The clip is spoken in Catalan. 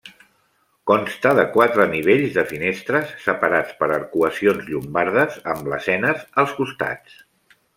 Consta de quatre nivells de finestres separats per arcuacions llombardes amb lesenes als costats.